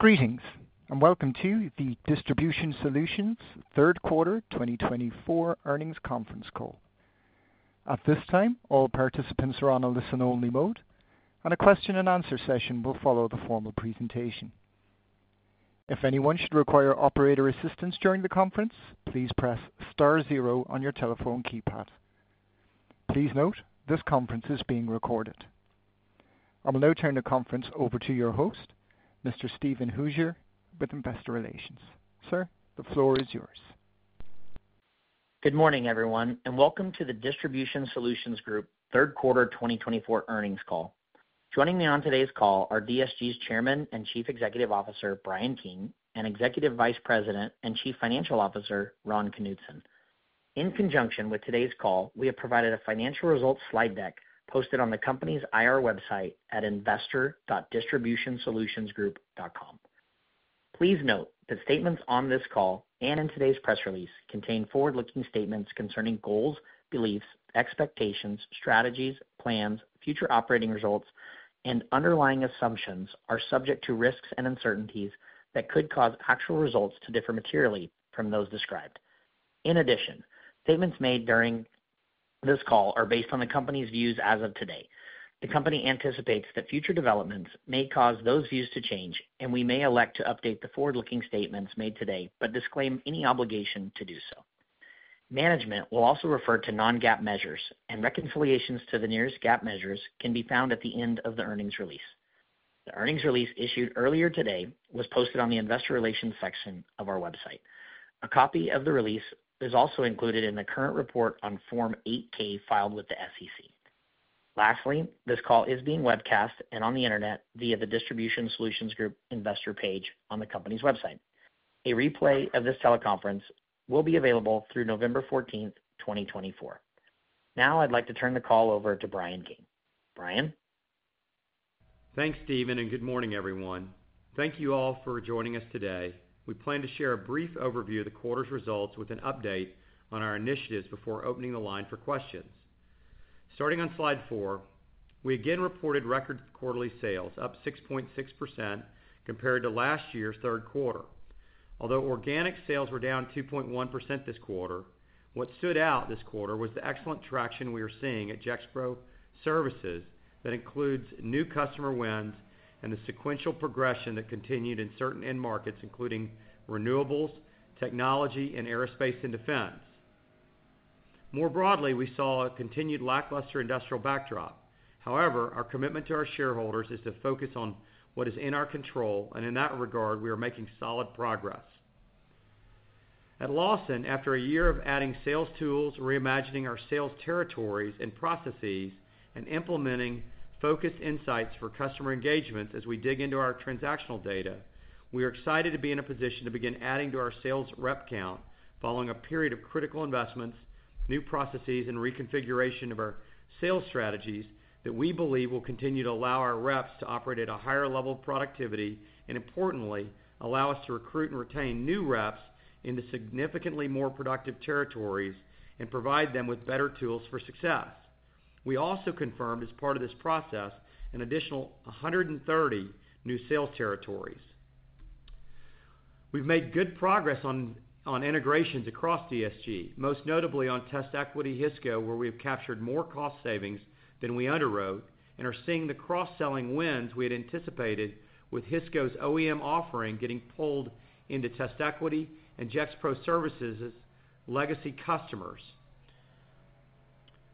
Greetings, and welcome to the Distribution Solutions Third Quarter 2024 Earnings Conference Call. At this time, all participants are on a listen-only mode, and a question-and-answer session will follow the formal presentation. If anyone should require operator assistance during the conference, please press star zero on your telephone keypad. Please note this conference is being recorded. I will now turn the conference over to your host, Mr. Steven Hooser, with Investor Relations. Sir, the floor is yours. Good morning, everyone, and welcome to the Distribution Solutions Group Q3 2024 earnings call. Joining me on today's call are DSG's Chairman and Chief Executive Officer, Bryan King, and Executive Vice President and Chief Financial Officer, Ron Knutson. In conjunction with today's call, we have provided a financial results slide deck posted on the company's IR website at investor.distributionsolutionsgroup.com. Please note that statements on this call and in today's press release contain forward-looking statements concerning goals, beliefs, expectations, strategies, plans, future operating results, and underlying assumptions are subject to risks and uncertainties that could cause actual results to differ materially from those described. In addition, statements made during this call are based on the company's views as of today. The company anticipates that future developments may cause those views to change, and we may elect to update the forward-looking statements made today but disclaim any obligation to do so. Management will also refer to non-GAAP measures, and reconciliations to the nearest GAAP measures can be found at the end of the earnings release. The earnings release issued earlier today was posted on the Investor Relations section of our website. A copy of the release is also included in the current report on Form 8-K filed with the SEC. Lastly, this call is being webcast and on the internet via the Distribution Solutions Group Investor page on the company's website. A replay of this teleconference will be available through November 14, 2024. Now, I'd like to turn the call over to Bryan King. Bryan. Thanks, Steven, and good morning, everyone. Thank you all for joining us today. We plan to share a brief overview of the quarter's results with an update on our initiatives before opening the line for questions. Starting on slide four, we again reported record quarterly sales, up 6.6% compared to last year's third quarter. Although organic sales were down 2.1% this quarter, what stood out this quarter was the excellent traction we are seeing at Gexpro Services that includes new customer wins and the sequential progression that continued in certain end markets, including renewables, technology, and aerospace and defense. More broadly, we saw a continued lackluster industrial backdrop. However, our commitment to our shareholders is to focus on what is in our control, and in that regard, we are making solid progress. At Lawson, after a year of adding sales tools, reimagining our sales territories and processes, and implementing focused insights for customer engagements as we dig into our transactional data, we are excited to be in a position to begin adding to our sales rep count following a period of critical investments, new processes, and reconfiguration of our sales strategies that we believe will continue to allow our reps to operate at a higher level of productivity and, importantly, allow us to recruit and retain new reps into significantly more productive territories and provide them with better tools for success. We also confirmed, as part of this process, an additional 130 new sales territories. We've made good progress on integrations across DSG, most notably on TestEquity, Hisco, where we have captured more cost savings than we underwrote and are seeing the cross-selling wins we had anticipated with Hisco's OEM offering getting pulled into TestEquity and Gexpro Services' legacy customers.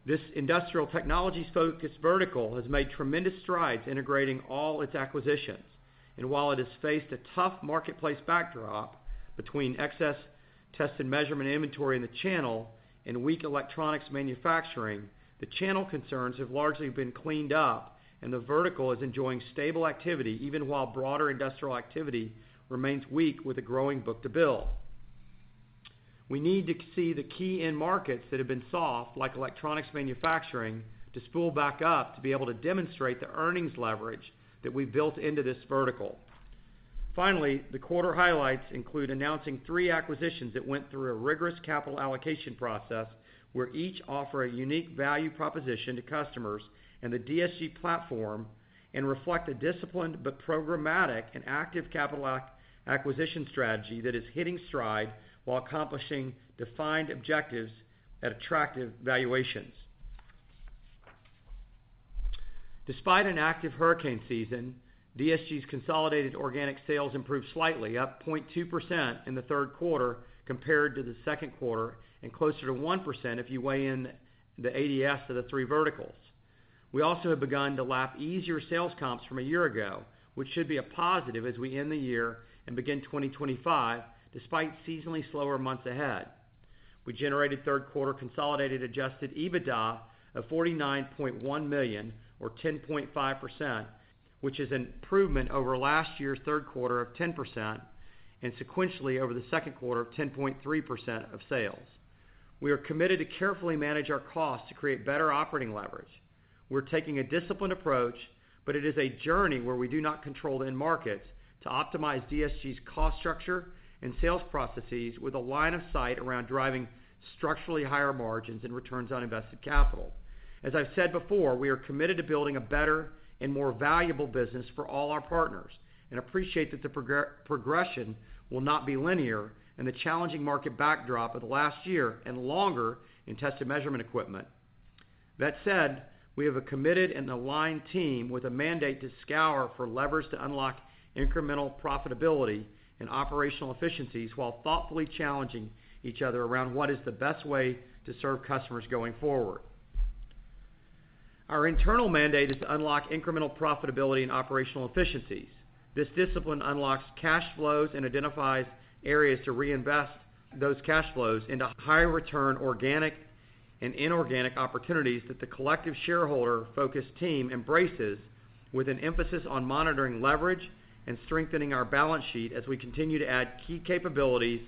This industrial technology-focused vertical has made tremendous strides integrating all its acquisitions, and while it has faced a tough marketplace backdrop between excess test and measurement inventory in the channel and weak electronics manufacturing, the channel concerns have largely been cleaned up, and the vertical is enjoying stable activity even while broader industrial activity remains weak with a growing book-to-bill. We need to see the key end markets that have been soft, like electronics manufacturing, to spool back up to be able to demonstrate the earnings leverage that we've built into this vertical. Finally, the quarter highlights include announcing three acquisitions that went through a rigorous capital allocation process where each offered a unique value proposition to customers and the DSG platform and reflect a disciplined but programmatic and active capital acquisition strategy that is hitting stride while accomplishing defined objectives at attractive valuations. Despite an active hurricane season, DSG's consolidated organic sales improved slightly, up 0.2% in the third quarter compared to the second quarter and closer to 1% if you weigh in the ADS of the three verticals. We also have begun to lap easier sales comps from a year ago, which should be a positive as we end the year and begin 2025 despite seasonally slower months ahead. We generated third quarter consolidated adjusted EBITDA of $49.1 million, or 10.5%, which is an improvement over last year's third quarter of 10% and sequentially over the second quarter of 10.3% of sales. We are committed to carefully manage our costs to create better operating leverage. We're taking a disciplined approach, but it is a journey where we do not control the end markets, to optimize DSG's cost structure and sales processes with a line of sight around driving structurally higher margins and returns on invested capital. As I've said before, we are committed to building a better and more valuable business for all our partners, and appreciate that the progression will not be linear, and the challenging market backdrop of last year and longer in test and measurement equipment. That said, we have a committed and aligned team with a mandate to scour for levers to unlock incremental profitability and operational efficiencies while thoughtfully challenging each other around what is the best way to serve customers going forward. Our internal mandate is to unlock incremental profitability and operational efficiencies. This discipline unlocks cash flows and identifies areas to reinvest those cash flows into higher-return organic and inorganic opportunities that the collective shareholder-focused team embraces with an emphasis on monitoring leverage and strengthening our balance sheet as we continue to add key capabilities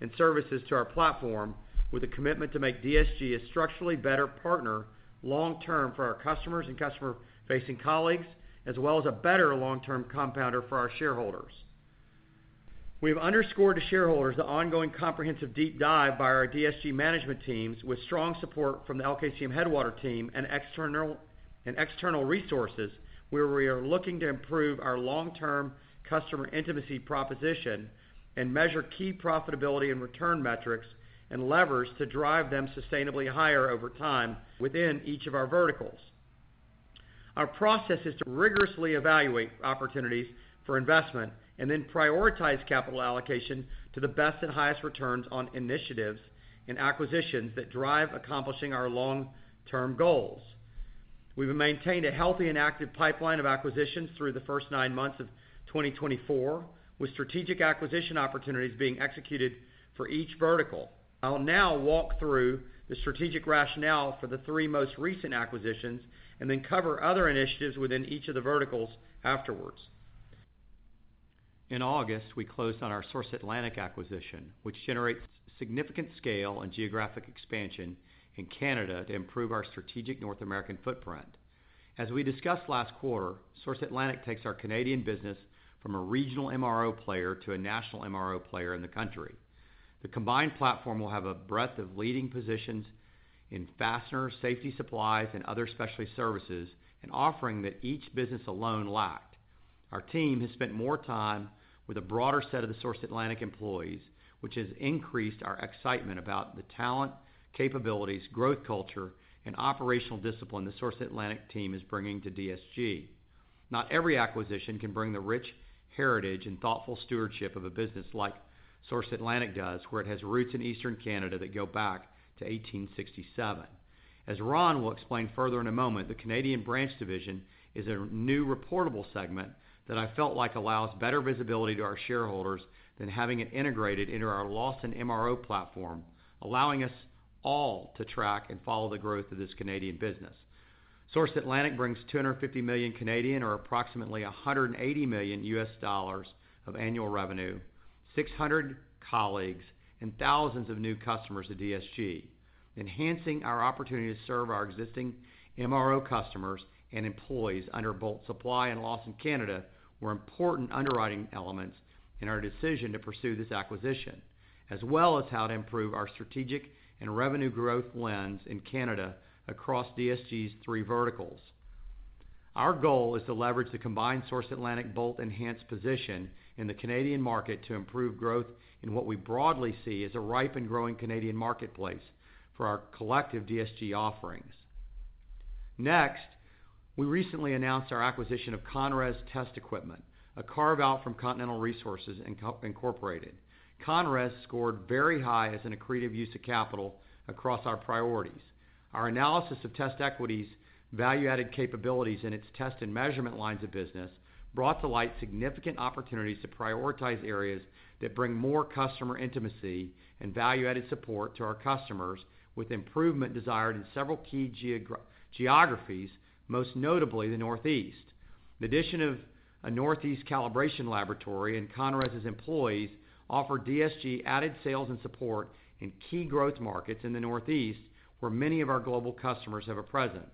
and services to our platform with a commitment to make DSG a structurally better partner long-term for our customers and customer-facing colleagues, as well as a better long-term compounder for our shareholders. We have underscored to shareholders the ongoing comprehensive deep dive by our DSG management teams with strong support from the LKCM Headwater team and external resources where we are looking to improve our long-term customer intimacy proposition and measure key profitability and return metrics and levers to drive them sustainably higher over time within each of our verticals. Our process is to rigorously evaluate opportunities for investment and then prioritize capital allocation to the best and highest returns on initiatives and acquisitions that drive accomplishing our long-term goals. We've maintained a healthy and active pipeline of acquisitions through the first nine months of 2024, with strategic acquisition opportunities being executed for each vertical. I'll now walk through the strategic rationale for the three most recent acquisitions and then cover other initiatives within each of the verticals afterwards. In August, we closed on our Source Atlantic acquisition, which generates significant scale and geographic expansion in Canada to improve our strategic North American footprint. As we discussed last quarter, Source Atlantic takes our Canadian business from a regional MRO player to a national MRO player in the country. The combined platform will have a breadth of leading positions in fasteners, safety supplies, and other specialty services, an offering that each business alone lacked. Our team has spent more time with a broader set of the Source Atlantic employees, which has increased our excitement about the talent, capabilities, growth culture, and operational discipline the Source Atlantic team is bringing to DSG. Not every acquisition can bring the rich heritage and thoughtful stewardship of a business like Source Atlantic does, where it has roots in Eastern Canada that go back to 1867. As Ron will explain further in a moment, the Canadian branch division is a new reportable segment that I felt like allows better visibility to our shareholders than having it integrated into our Lawson MRO platform, allowing us all to track and follow the growth of this Canadian business. Source Atlantic brings 250 million, or approximately $180 million of annual revenue, 600 colleagues, and thousands of new customers to DSG. Enhancing our opportunity to serve our existing MRO customers and employees under both Bolt Supply and Lawson Canada were important underwriting elements in our decision to pursue this acquisition, as well as how to improve our strategic and revenue growth lens in Canada across DSG's three verticals. Our goal is to leverage the combined Source Atlantic Bolt-enhanced position in the Canadian market to improve growth in what we broadly see as a ripe and growing Canadian marketplace for our collective DSG offerings. Next, we recently announced our acquisition of ConRes Test Equipment, a carve-out from Continental Resources Incorporated. ConRes scored very high as an accretive use of capital across our priorities. Our analysis of TestEquity's value-added capabilities in its test and measurement lines of business brought to light significant opportunities to prioritize areas that bring more customer intimacy and value-added support to our customers with improvement desired in several key geographies, most notably the Northeast. The addition of a Northeast calibration laboratory and ConRes's employees offer DSG added sales and support in key growth markets in the Northeast where many of our global customers have a presence.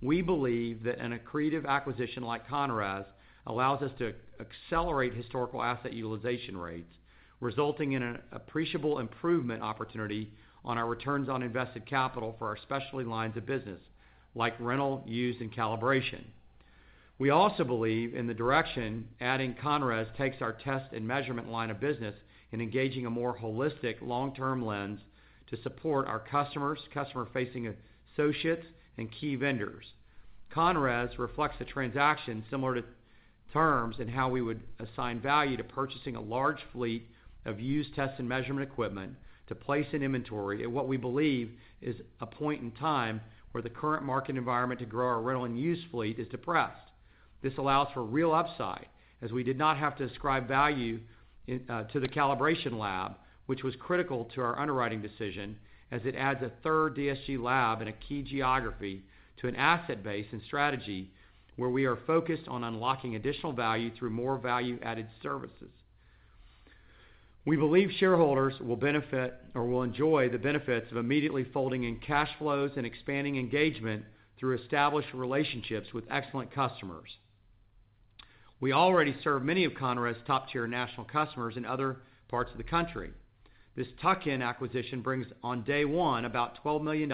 We believe that an accretive acquisition like ConRes allows us to accelerate historical asset utilization rates, resulting in an appreciable improvement opportunity on our return on invested capital for our specialty lines of business like rental, use, and calibration. We also believe in the direction adding ConRes takes our test and measurement line of business and engaging a more holistic long-term lens to support our customers, customer-facing associates, and key vendors. ConRes reflects a transaction similar to terms in how we would assign value to purchasing a large fleet of used test and measurement equipment to place in inventory at what we believe is a point in time where the current market environment to grow our rental and used fleet is depressed. This allows for real upside as we did not have to ascribe value to the calibration lab, which was critical to our underwriting decision as it adds a third DSG lab in a key geography to an asset base and strategy where we are focused on unlocking additional value through more value-added services. We believe shareholders will benefit or will enjoy the benefits of immediately folding in cash flows and expanding engagement through established relationships with excellent customers. We already serve many of ConRes' top-tier national customers in other parts of the country. This tuck-in acquisition brings on day one about $12 million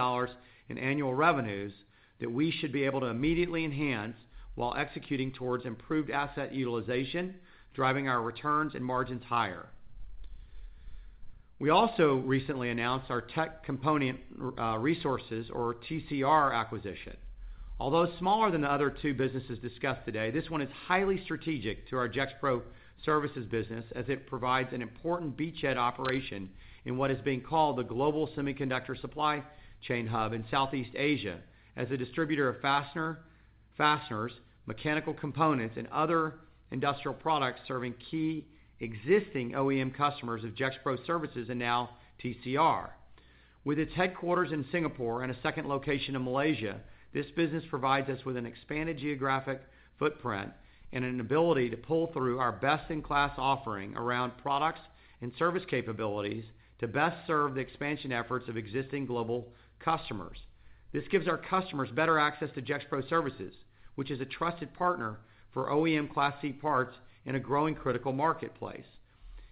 in annual revenues that we should be able to immediately enhance while executing towards improved asset utilization, driving our returns and margins higher. We also recently announced our Tech Component Resources, or TCR, acquisition. Although smaller than the other two businesses discussed today, this one is highly strategic to our Gexpro Services business as it provides an important beachhead operation in what is being called the global semiconductor supply chain hub in Southeast Asia as a distributor of fasteners, mechanical components, and other industrial products serving key existing OEM customers of Gexpro Services and now TCR. With its headquarters in Singapore and a second location in Malaysia, this business provides us with an expanded geographic footprint and an ability to pull through our best-in-class offering around products and service capabilities to best serve the expansion efforts of existing global customers. This gives our customers better access to Gexpro Services, which is a trusted partner for OEM Class C parts in a growing critical marketplace.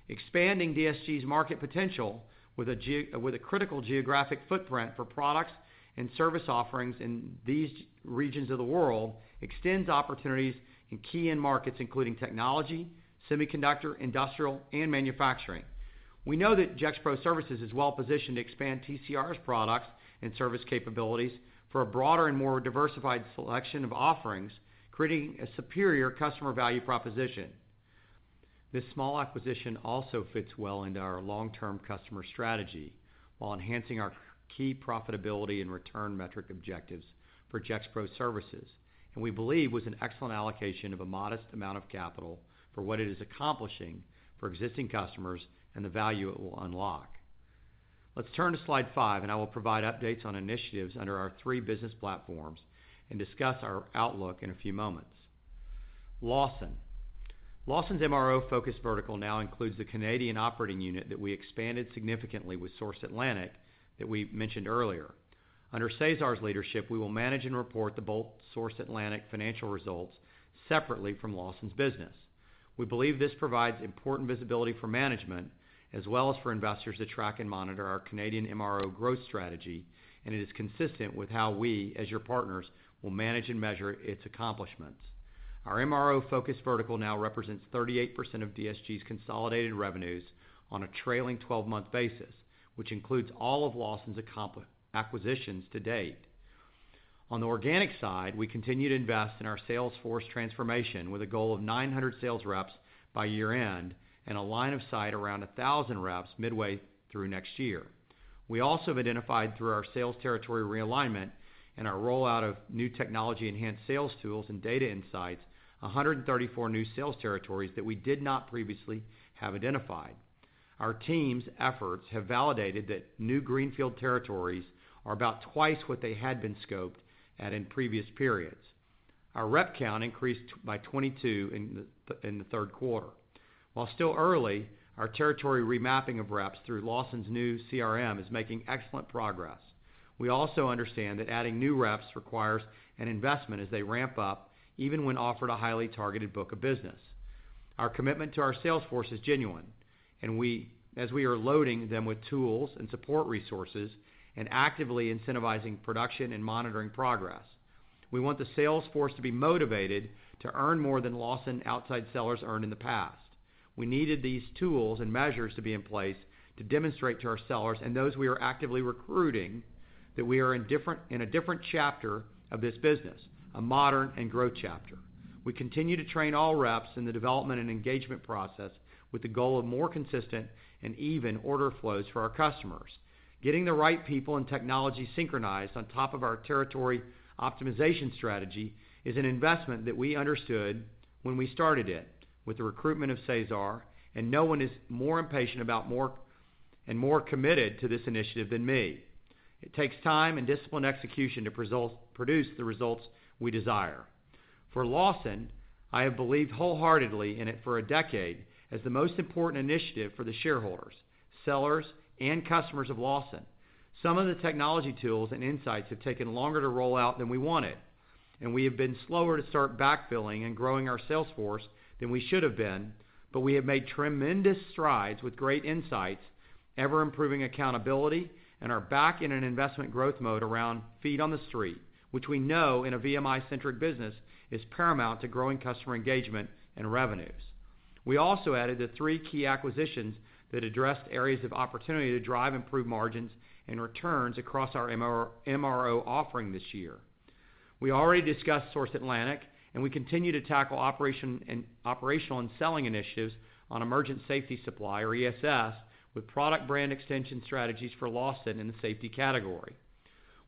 Expanding DSG's market potential with a critical geographic footprint for products and service offerings in these regions of the world extends opportunities in key end markets including technology, semiconductor, industrial, and manufacturing. We know that Gexpro Services is well-positioned to expand TCR's products and service capabilities for a broader and more diversified selection of offerings, creating a superior customer value proposition. This small acquisition also fits well into our long-term customer strategy while enhancing our key profitability and return metric objectives for Gexpro Services, and we believe was an excellent allocation of a modest amount of capital for what it is accomplishing for existing customers and the value it will unlock. Let's turn to slide five, and I will provide updates on initiatives under our three business platforms and discuss our outlook in a few moments. Lawson. Lawson's MRO-focused vertical now includes the Canadian operating unit that we expanded significantly with Source Atlantic that we mentioned earlier. Under Cesar's leadership, we will manage and report the Bolt and Source Atlantic financial results separately from Lawson's business. We believe this provides important visibility for management as well as for investors to track and monitor our Canadian MRO growth strategy, and it is consistent with how we, as your partners, will manage and measure its accomplishments. Our MRO-focused vertical now represents 38% of DSG's consolidated revenues on a trailing 12-month basis, which includes all of Lawson's acquisitions to date. On the organic side, we continue to invest in our sales force transformation with a goal of 900 sales reps by year-end and a line of sight around 1,000 reps midway through next year. We also have identified, through our sales territory realignment and our rollout of new technology-enhanced sales tools and data insights, 134 new sales territories that we did not previously have identified. Our team's efforts have validated that new greenfield territories are about twice what they had been scoped at in previous periods. Our rep count increased by 22 in the third quarter. While still early, our territory remapping of reps through Lawson's new CRM is making excellent progress. We also understand that adding new reps requires an investment as they ramp up, even when offered a highly targeted book of business. Our commitment to our sales force is genuine, and as we are loading them with tools and support resources and actively incentivizing production and monitoring progress, we want the sales force to be motivated to earn more than Lawson outside sellers earned in the past. We needed these tools and measures to be in place to demonstrate to our sellers and those we are actively recruiting that we are in a different chapter of this business, a modern and growth chapter. We continue to train all reps in the development and engagement process with the goal of more consistent and even order flows for our customers. Getting the right people and technology synchronized on top of our territory optimization strategy is an investment that we understood when we started it with the recruitment of Cesar, and no one is more impatient about and more committed to this initiative than me. It takes time and discipline execution to produce the results we desire. For Lawson, I have believed wholeheartedly in it for a decade as the most important initiative for the shareholders, sellers, and customers of Lawson. Some of the technology tools and insights have taken longer to roll out than we wanted, and we have been slower to start backfilling and growing our sales force than we should have been, but we have made tremendous strides with great insights, ever-improving accountability, and are back in an investment growth mode around feet on the street, which we know in a VMI-centric business is paramount to growing customer engagement and revenues. We also added the three key acquisitions that addressed areas of opportunity to drive improved margins and returns across our MRO offering this year. We already discussed Source Atlantic, and we continue to tackle operational and selling initiatives on Emergent Safety Supply (ESS), with product brand extension strategies for Lawson in the safety category.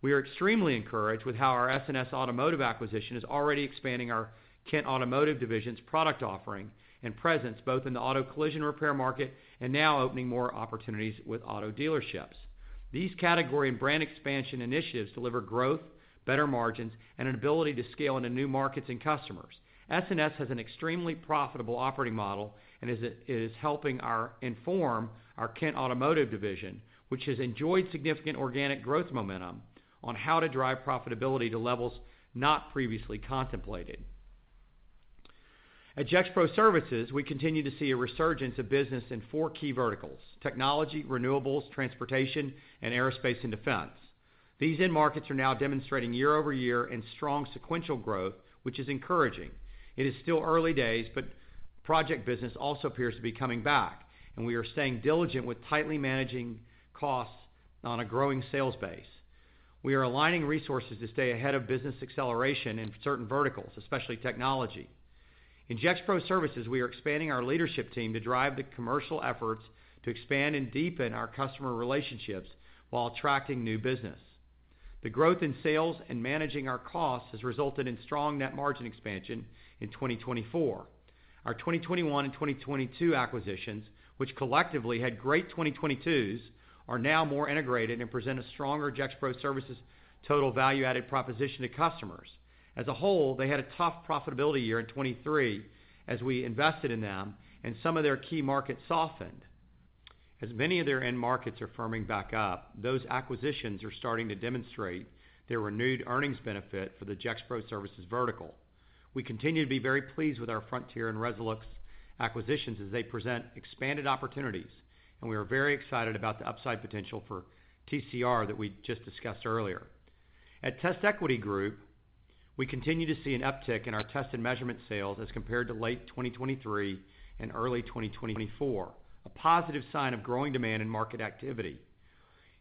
We are extremely encouraged with how our S&S Automotive acquisition is already expanding our Kent Automotive division's product offering and presence both in the auto collision repair market and now opening more opportunities with auto dealerships. These category and brand expansion initiatives deliver growth, better margins, and an ability to scale into new markets and customers. S&S has an extremely profitable operating model and is helping inform our Kent Automotive division, which has enjoyed significant organic growth momentum on how to drive profitability to levels not previously contemplated. At Gexpro Services, we continue to see a resurgence of business in four key verticals: technology, renewables, transportation, and aerospace and defense. These end markets are now demonstrating year-over-year and strong sequential growth, which is encouraging. It is still early days, but project business also appears to be coming back, and we are staying diligent with tightly managing costs on a growing sales base. We are aligning resources to stay ahead of business acceleration in certain verticals, especially technology. In Gexpro Services, we are expanding our leadership team to drive the commercial efforts to expand and deepen our customer relationships while attracting new business. The growth in sales and managing our costs has resulted in strong net margin expansion in 2024. Our 2021 and 2022 acquisitions, which collectively had great 2022s, are now more integrated and present a stronger Gexpro Services total value-added proposition to customers. As a whole, they had a tough profitability year in 2023 as we invested in them, and some of their key markets softened. As many of their end markets are firming back up, those acquisitions are starting to demonstrate their renewed earnings benefit for the Gexpro Services vertical. We continue to be very pleased with our Frontier and Resolux acquisitions as they present expanded opportunities, and we are very excited about the upside potential for TCR that we just discussed earlier. At TestEquity Group, we continue to see an uptick in our test and measurement sales as compared to late 2023 and early 2024, a positive sign of growing demand and market activity.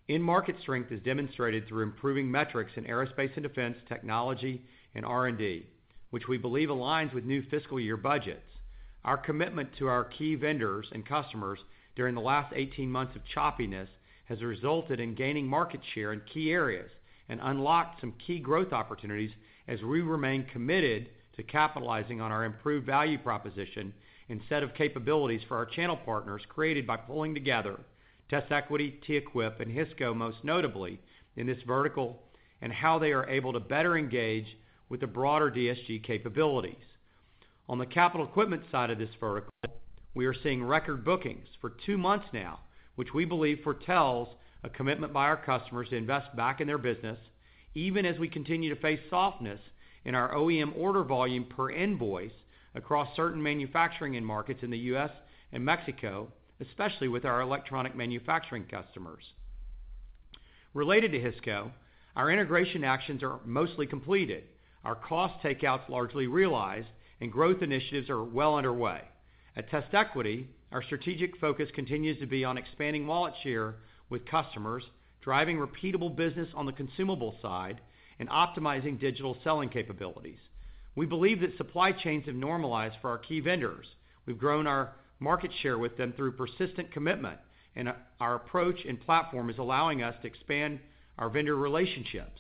End market strength is demonstrated through improving metrics in aerospace and defense technology and R&D, which we believe aligns with new fiscal year budgets. Our commitment to our key vendors and customers during the last 18 months of choppiness has resulted in gaining market share in key areas and unlocked some key growth opportunities as we remain committed to capitalizing on our improved value proposition instead of capabilities for our channel partners created by pulling together TestEquity, TEquip, and Hisco most notably in this vertical and how they are able to better engage with the broader DSG capabilities. On the capital equipment side of this vertical, we are seeing record bookings for two months now, which we believe foretells a commitment by our customers to invest back in their business, even as we continue to face softness in our OEM order volume per invoice across certain manufacturing markets in the U.S. and Mexico, especially with our electronic manufacturing customers. Related to Hisco, our integration actions are mostly completed. Our cost takeouts largely realized, and growth initiatives are well underway. At TestEquity, our strategic focus continues to be on expanding wallet share with customers, driving repeatable business on the consumable side, and optimizing digital selling capabilities. We believe that supply chains have normalized for our key vendors. We've grown our market share with them through persistent commitment, and our approach and platform is allowing us to expand our vendor relationships.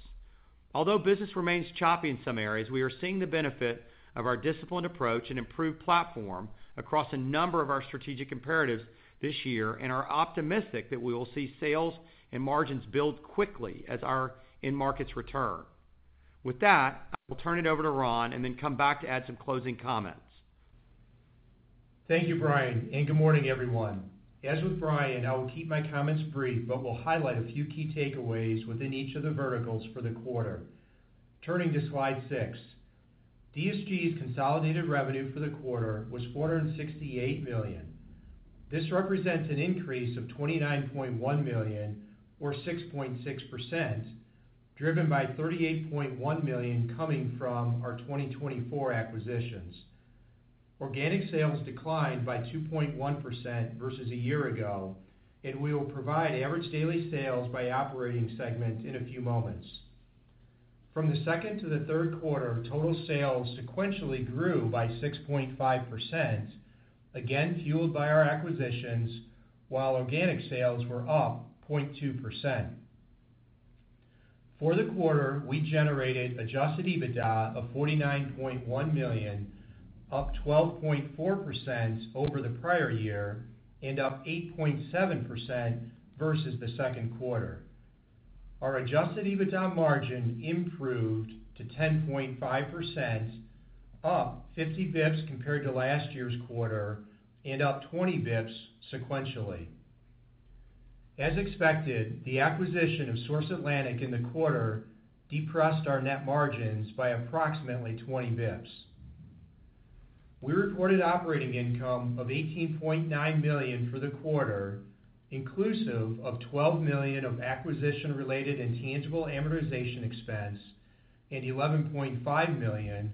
Although business remains choppy in some areas, we are seeing the benefit of our disciplined approach and improved platform across a number of our strategic imperatives this year and are optimistic that we will see sales and margins build quickly as our end markets return. With that, I will turn it over to Ron and then come back to add some closing comments. Thank you, Bryan, and good morning, everyone. As with Bryan, I will keep my comments brief, but will highlight a few key takeaways within each of the verticals for the quarter. Turning to slide six, DSG's consolidated revenue for the quarter was $468 million. This represents an increase of $29.1 million, or 6.6%, driven by $38.1 million coming from our 2024 acquisitions. Organic sales declined by 2.1% versus a year ago, and we will provide average daily sales by operating segment in a few moments. From the second to the third quarter, total sales sequentially grew by 6.5%, again fueled by our acquisitions, while organic sales were up 0.2%. For the quarter, we generated adjusted EBITDA of $49.1 million, up 12.4% over the prior year, and up 8.7% versus the second quarter. Our adjusted EBITDA margin improved to 10.5%, up 50 basis points compared to last year's quarter, and up 20 basis points sequentially. As expected, the acquisition of Source Atlantic in the quarter depressed our net margins by approximately 20 basis points. We reported operating income of $18.9 million for the quarter, inclusive of $12 million of acquisition-related and tangible amortization expense, and $11.5 million,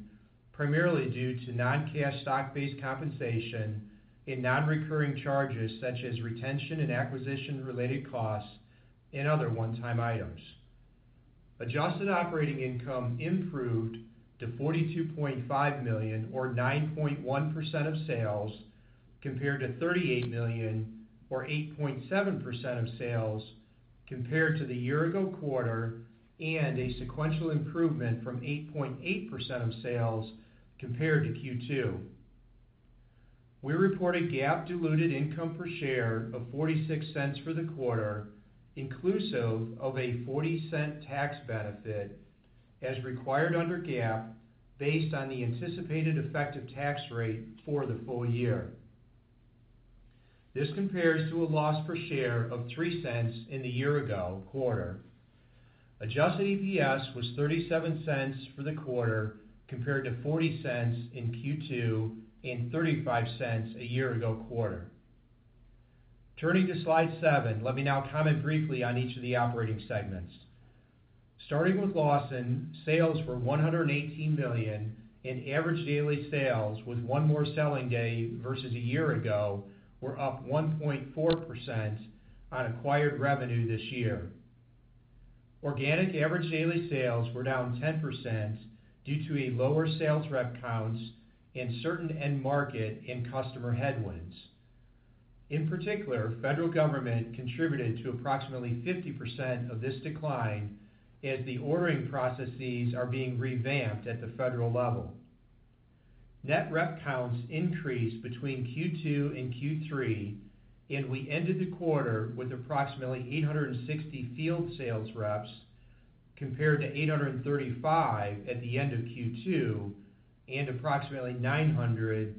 primarily due to non-cash stock-based compensation and non-recurring charges such as retention and acquisition-related costs and other one-time items. Adjusted operating income improved to $42.5 million, or 9.1% of sales, compared to $38 million, or 8.7% of sales, compared to the year-ago quarter, and a sequential improvement from 8.8% of sales compared to Q2. We reported GAAP-diluted income per share of $0.46 for the quarter, inclusive of a $0.40 tax benefit as required under GAAP based on the anticipated effective tax rate for the full year. This compares to a loss per share of $0.03 in the year-ago quarter. Adjusted EPS was $0.37 for the quarter, compared to $0.40 in Q2 and $0.35 a year-ago quarter. Turning to slide seven, let me now comment briefly on each of the operating segments. Starting with Lawson, sales were $118 million, and average daily sales with one more selling day versus a year-ago were up 1.4% on acquired revenue this year. Organic average daily sales were down 10% due to lower sales rep counts and certain end market and customer headwinds. In particular, federal government contributed to approximately 50% of this decline as the ordering processes are being revamped at the federal level. Net rep counts increased between Q2 and Q3, and we ended the quarter with approximately 860 field sales reps compared to 835 at the end of Q2 and approximately 900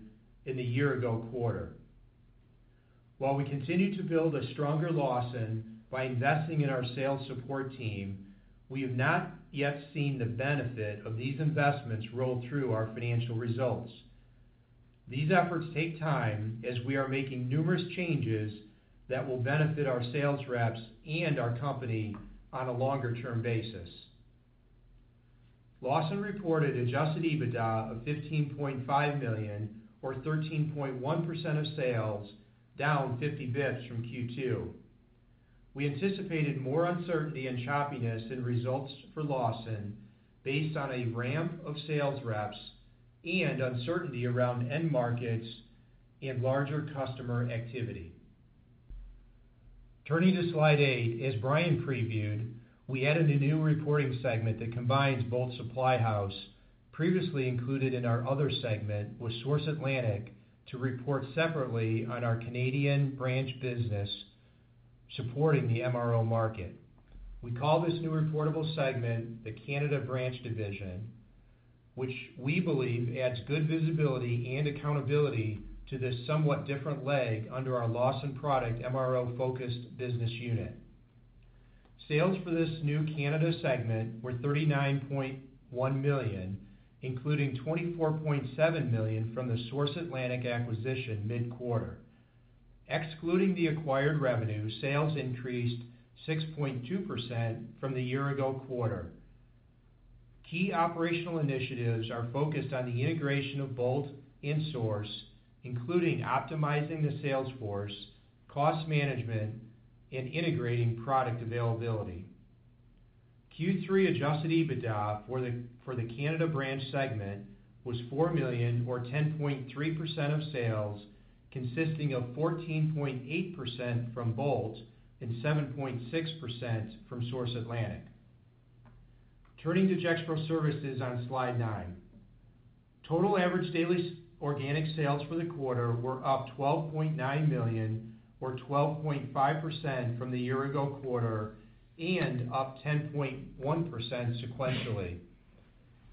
in the year-ago quarter. While we continue to build a stronger Lawson by investing in our sales support team, we have not yet seen the benefit of these investments roll through our financial results. These efforts take time as we are making numerous changes that will benefit our sales reps and our company on a longer-term basis. Lawson reported adjusted EBITDA of $15.5 million, or 13.1% of sales, down 50 basis points from Q2. We anticipated more uncertainty and choppiness in results for Lawson based on a ramp of sales reps and uncertainty around end markets and larger customer activity. Turning to slide eight, as Bryan previewed, we added a new reporting segment that combines both Bolt Supply House, previously included in our other segment, with Source Atlantic, to report separately on our Canadian branch business supporting the MRO market. We call this new reportable segment the Canada Branch Division, which we believe adds good visibility and accountability to this somewhat different leg under our Lawson Products MRO-focused business unit. Sales for this new Canada segment were $39.1 million, including $24.7 million from the Source Atlantic acquisition mid-quarter. Excluding the acquired revenue, sales increased 6.2% from the year-ago quarter. Key operational initiatives are focused on the integration of both Bolt and Source, including optimizing the sales force, cost management, and integrating product availability. Q3 adjusted EBITDA for the Canada Branch segment was $4 million, or 10.3% of sales, consisting of 14.8% from Bolt and 7.6% from Source Atlantic. Turning to Gexpro Services on slide nine, total average daily organic sales for the quarter were up $12.9 million, or 12.5% from the year-ago quarter, and up 10.1% sequentially.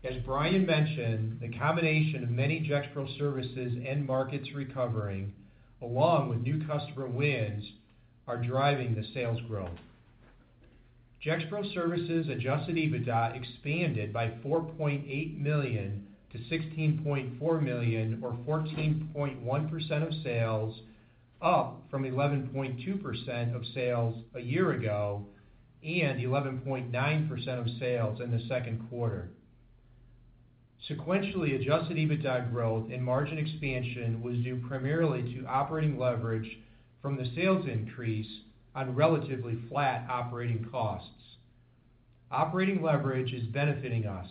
As Bryan mentioned, the combination of many Gexpro Services end markets recovering, along with new customer wins, are driving the sales growth. Gexpro Services adjusted EBITDA expanded by $4.8 million to $16.4 million, or 14.1% of sales, up from 11.2% of sales a year ago and 11.9% of sales in the second quarter. Sequentially, adjusted EBITDA growth and margin expansion was due primarily to operating leverage from the sales increase on relatively flat operating costs. Operating leverage is benefiting us,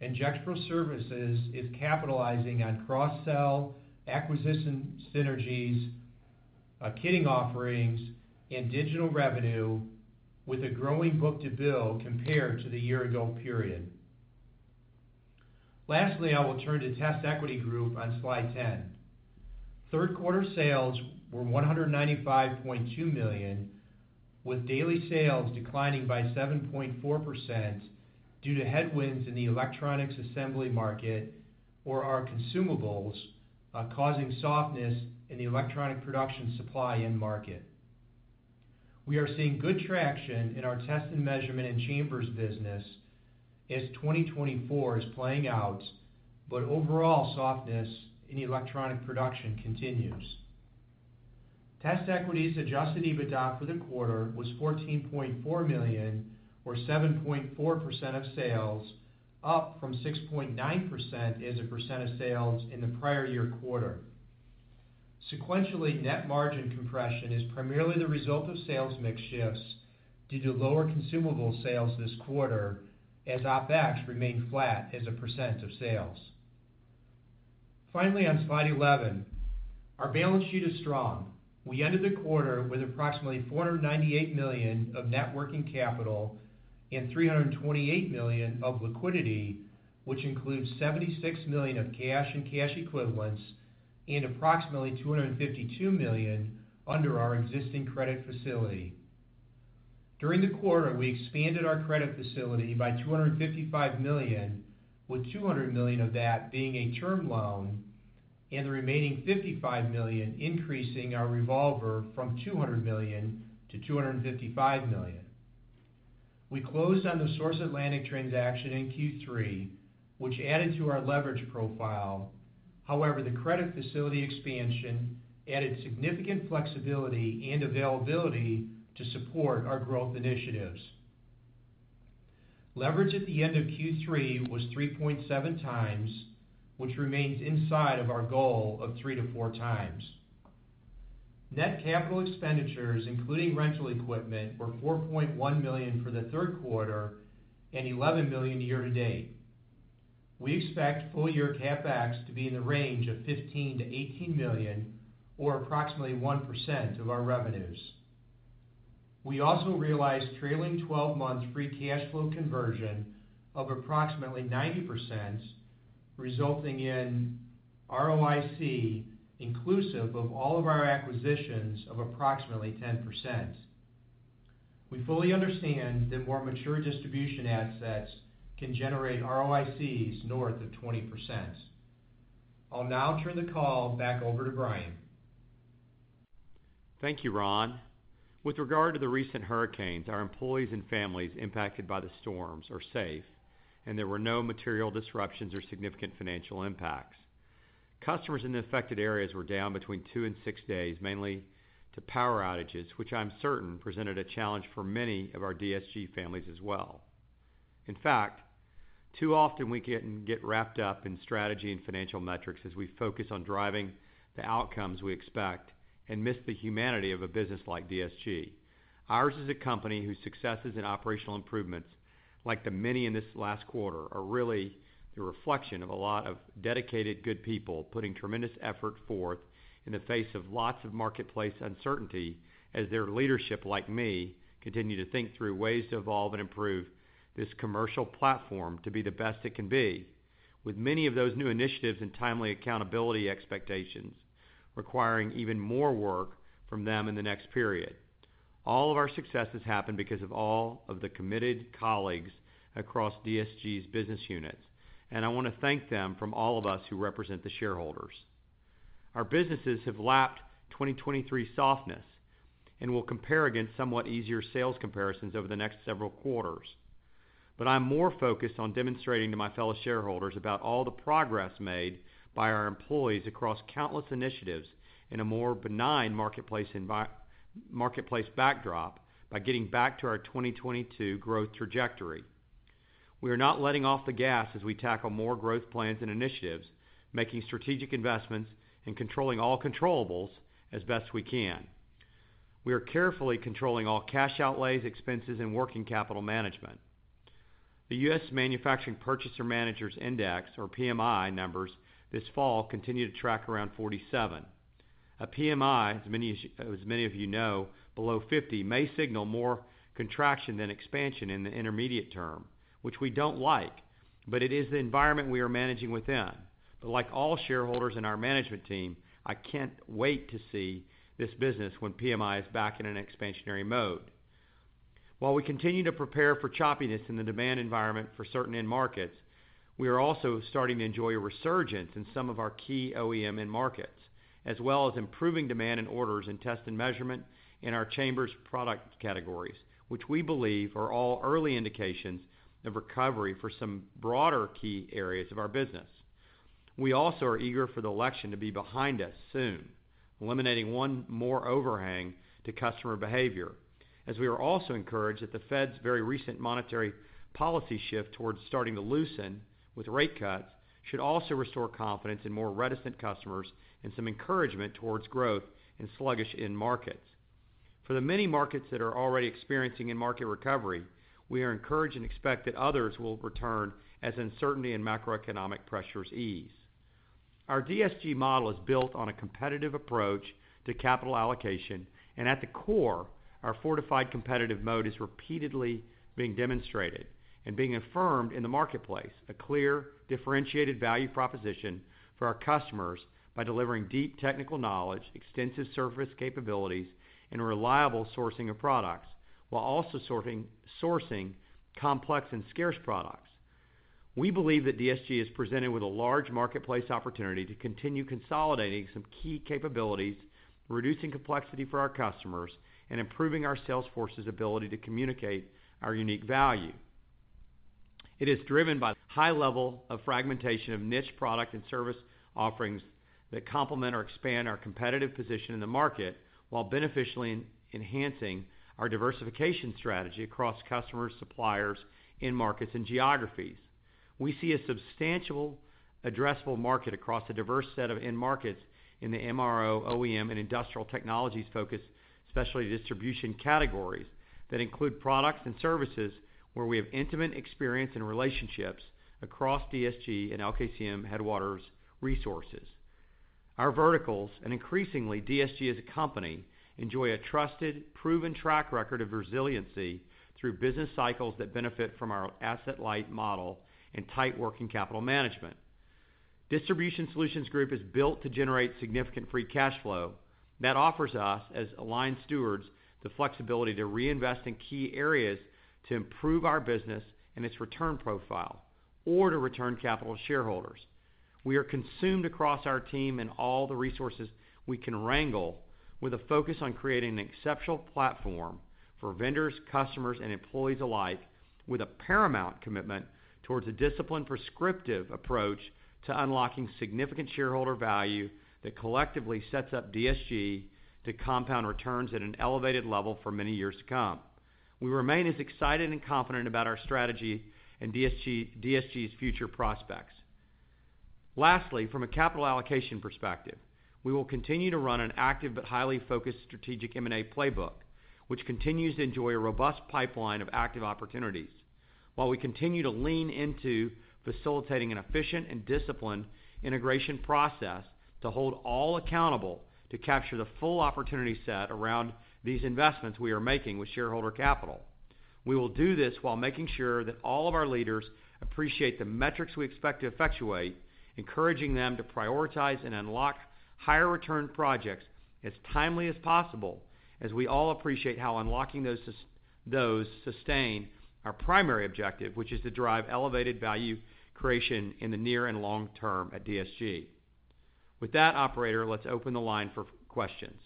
and Gexpro Services is capitalizing on cross-sell acquisition synergies, kitting offerings, and digital revenue with a growing book-to-bill compared to the year-ago period. Lastly, I will turn to TestEquity Group on slide 10. Third quarter sales were $195.2 million, with daily sales declining by 7.4% due to headwinds in the electronics assembly market, or our consumables, causing softness in the electronic production supply end market. We are seeing good traction in our test and measurement and chambers business as 2024 is playing out, but overall softness in electronic production continues. TestEquity's adjusted EBITDA for the quarter was $14.4 million, or 7.4% of sales, up from 6.9% as a percent of sales in the prior year quarter. Sequentially, net margin compression is primarily the result of sales mix shifts due to lower consumable sales this quarter as OpEx remained flat as a percent of sales. Finally, on slide 11, our balance sheet is strong. We ended the quarter with approximately $498 million of net working capital and $328 million of liquidity, which includes $76 million of cash and cash equivalents and approximately $252 million under our existing credit facility. During the quarter, we expanded our credit facility by $255 million, with $200 million of that being a term loan and the remaining $55 million increasing our revolver from $200 million to $255 million. We closed on the Source Atlantic transaction in Q3, which added to our leverage profile. However, the credit facility expansion added significant flexibility and availability to support our growth initiatives. Leverage at the end of Q3 was 3.7x, which remains inside of our goal of 3x-4x. Net capital expenditures, including rental equipment, were $4.1 million for the third quarter and $11 million year-to-date. We expect full-year CapEx to be in the range of $15 million-18 million, or approximately 1% of our revenues. We also realized trailing 12-month free cash flow conversion of approximately 90%, resulting in ROIC inclusive of all of our acquisitions of approximately 10%. We fully understand that more mature distribution assets can generate ROICs north of 20%. I'll now turn the call back over to Bryan. Thank you, Ron. With regard to the recent hurricanes, our employees and families impacted by the storms are safe, and there were no material disruptions or significant financial impacts. Customers in the affected areas were down between two and six days, mainly to power outages, which I'm certain presented a challenge for many of our DSG families as well. In fact, too often we can get wrapped up in strategy and financial metrics as we focus on driving the outcomes we expect and miss the humanity of a business like DSG. Ours is a company whose successes and operational improvements, like the many in this last quarter, are really the reflection of a lot of dedicated good people putting tremendous effort forth in the face of lots of marketplace uncertainty as their leadership, like me, continue to think through ways to evolve and improve this commercial platform to be the best it can be, with many of those new initiatives and timely accountability expectations requiring even more work from them in the next period. All of our successes happen because of all of the committed colleagues across DSG's business units, and I want to thank them from all of us who represent the shareholders. Our businesses have lapped 2023 softness and will compare against somewhat easier sales comparisons over the next several quarters. But I'm more focused on demonstrating to my fellow shareholders about all the progress made by our employees across countless initiatives in a more benign marketplace backdrop by getting back to our 2022 growth trajectory. We are not letting off the gas as we tackle more growth plans and initiatives, making strategic investments and controlling all controllable as best we can. We are carefully controlling all cash outlays, expenses, and working capital management. The U.S. Manufacturing Purchasing Managers' Index, or PMI, numbers this fall continue to track around 47. A PMI, as many of you know, below 50 may signal more contraction than expansion in the intermediate term, which we don't like, but it is the environment we are managing within. But like all shareholders in our management team, I can't wait to see this business when PMI is back in an expansionary mode. While we continue to prepare for choppiness in the demand environment for certain end markets, we are also starting to enjoy a resurgence in some of our key OEM end markets, as well as improving demand and orders and test and measurement in our chambers product categories, which we believe are all early indications of recovery for some broader key areas of our business. We also are eager for the election to be behind us soon, eliminating one more overhang to customer behavior, as we are also encouraged that the Fed's very recent monetary policy shift towards starting to loosen with rate cuts should also restore confidence in more reticent customers and some encouragement towards growth in sluggish end markets. For the many markets that are already experiencing end market recovery, we are encouraged and expect that others will return as uncertainty and macroeconomic pressures ease. Our DSG model is built on a competitive approach to capital allocation, and at the core, our fortified competitive mode is repeatedly being demonstrated and being affirmed in the marketplace, a clear differentiated value proposition for our customers by delivering deep technical knowledge, extensive service capabilities, and reliable sourcing of products while also sourcing complex and scarce products. We believe that DSG has presented with a large marketplace opportunity to continue consolidating some key capabilities, reducing complexity for our customers, and improving our sales force's ability to communicate our unique value. It is driven by a high level of fragmentation of niche product and service offerings that complement or expand our competitive position in the market while beneficially enhancing our diversification strategy across customers, suppliers, end markets, and geographies. We see a substantial addressable market across a diverse set of end markets in the MRO, OEM, and industrial technologies focus, especially distribution categories that include products and services where we have intimate experience and relationships across DSG and LKCM Headwater's resources. Our verticals, and increasingly DSG as a company, enjoy a trusted, proven track record of resiliency through business cycles that benefit from our asset-light model and tight working capital management. Distribution Solutions Group is built to generate significant free cash flow. That offers us, as aligned stewards, the flexibility to reinvest in key areas to improve our business and its return profile or to return capital shareholders. We are consumed across our team and all the resources we can wrangle, with a focus on creating an exceptional platform for vendors, customers, and employees alike, with a paramount commitment towards a discipline-prescriptive approach to unlocking significant shareholder value that collectively sets up DSG to compound returns at an elevated level for many years to come. We remain as excited and confident about our strategy and DSG's future prospects. Lastly, from a capital allocation perspective, we will continue to run an active but highly focused strategic M&A playbook, which continues to enjoy a robust pipeline of active opportunities. While we continue to lean into facilitating an efficient and disciplined integration process to hold all accountable to capture the full opportunity set around these investments we are making with shareholder capital, we will do this while making sure that all of our leaders appreciate the metrics we expect to effectuate, encouraging them to prioritize and unlock higher return projects as timely as possible, as we all appreciate how unlocking those sustain our primary objective, which is to drive elevated value creation in the near and long term at DSG. With that, Operator, let's open the line for questions.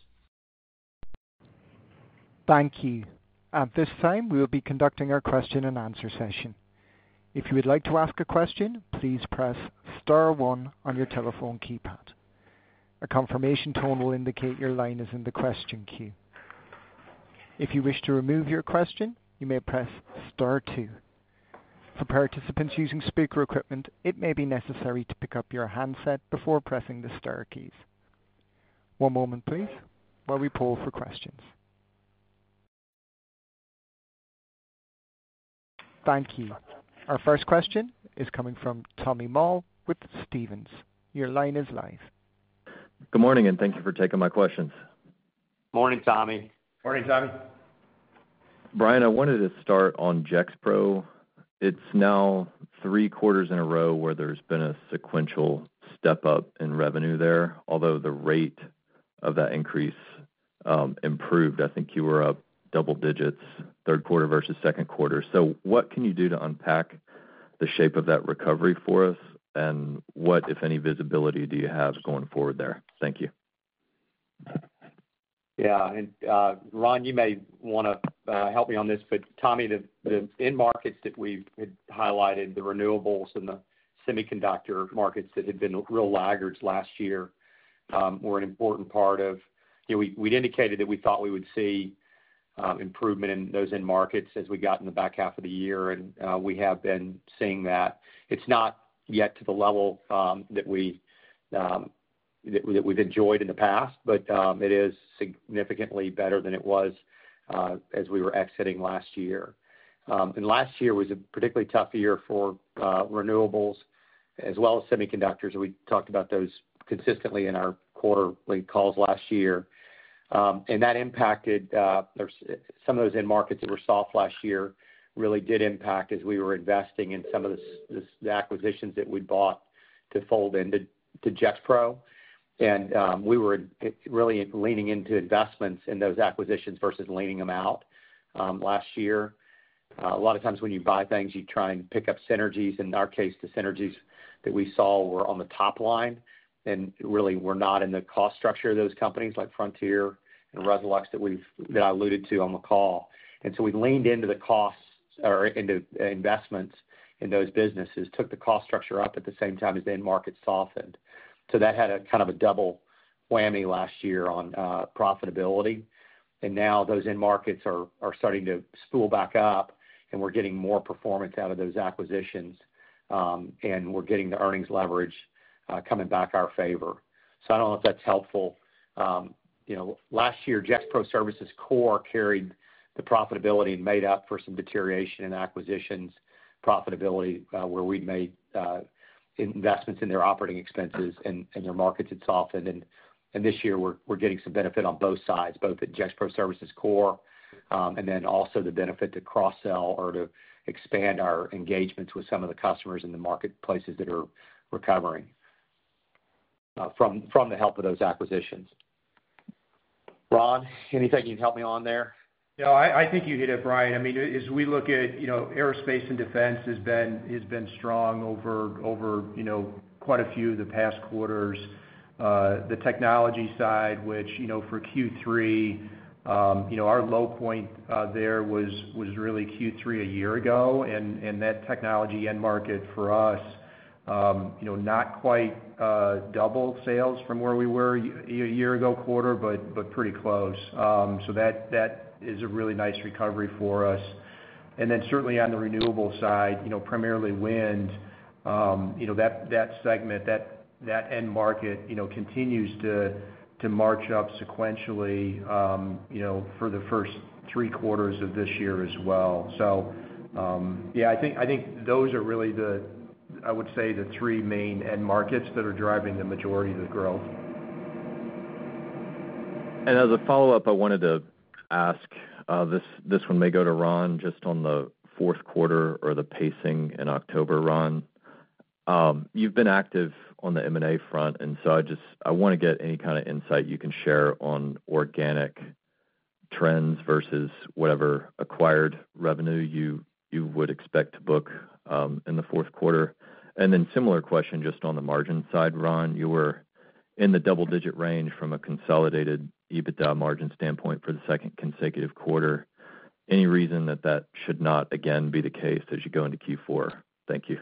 Thank you. At this time, we will be conducting our question-and-answer session. If you would like to ask a question, please press star one on your telephone keypad. A confirmation tone will indicate your line is in the question queue. If you wish to remove your question, you may press star two. For participants using speaker equipment, it may be necessary to pick up your handset before pressing the star keys. One moment, please, while we poll for questions. Thank you. Our first question is coming from Tommy Moll with Stephens. Your line is live. Good morning, and thank you for taking my questions. Morning, Tommy. Morning, Tommy. Bryan, I wanted to start on Gexpro. It's now three quarters in a row where there's been a sequential step-up in revenue there, although the rate of that increase improved. I think you were up double digits third quarter versus second quarter. So what can you do to unpack the shape of that recovery for us, and what, if any, visibility do you have going forward there? Thank you. Yeah. Ron, you may want to help me on this, but Tommy, the end markets that we've highlighted, the renewables and the semiconductor markets that had been real laggards last year, were an important part of we'd indicated that we thought we would see improvement in those end markets as we got in the back half of the year, and we have been seeing that. It's not yet to the level that we've enjoyed in the past, but it is significantly better than it was as we were exiting last year. Last year was a particularly tough year for renewables as well as semiconductors. We talked about those consistently in our quarterly calls last year. That impacted some of those end markets that were soft last year really did impact as we were investing in some of the acquisitions that we bought to fold into Gexpro. And we were really leaning into investments in those acquisitions versus leaning them out last year. A lot of times when you buy things, you try and pick up synergies. In our case, the synergies that we saw were on the top line and really were not in the cost structure of those companies like Frontier and Resolux that I alluded to on the call. And so we leaned into the costs or into investments in those businesses, took the cost structure up at the same time as the end market softened. So that had a kind of a double whammy last year on profitability. And now those end markets are starting to spool back up, and we're getting more performance out of those acquisitions, and we're getting the earnings leverage coming back our favor. So I don't know if that's helpful. Last year, Gexpro Services core carried the profitability and made up for some deterioration in acquisitions profitability where we'd made investments in their operating expenses and their markets had softened, and this year, we're getting some benefit on both sides, both at Gexpro Services core and then also the benefit to cross-sell or to expand our engagements with some of the customers in the marketplaces that are recovering from the help of those acquisitions. Ron, anything you can help me on there? Yeah. I think you hit it, Bryan. I mean, as we look at aerospace and defense, it has been strong over quite a few of the past quarters. The technology side, which for Q3, our low point there was really Q3 a year ago, and that technology end market for us, not quite double sales from where we were a year ago, quarter, but pretty close. So that is a really nice recovery for us. And then certainly on the renewable side, primarily wind, that segment, that end market continues to march up sequentially for the first three quarters of this year as well. So yeah, I think those are really, I would say, the three main end markets that are driving the majority of the growth. And as a follow-up, I wanted to ask this one may go to Ron just on the fourth quarter or the pacing in October. Ron, you've been active on the M&A front, and so I want to get any kind of insight you can share on organic trends versus whatever acquired revenue you would expect to book in the fourth quarter. And then similar question just on the margin side, Ron, you were in the double-digit range from a consolidated EBITDA margin standpoint for the second consecutive quarter. Any reason that that should not, again, be the case as you go into Q4? Thank you.